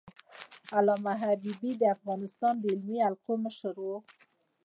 علامه حبيبي د افغانستان د علمي حلقو مشر و.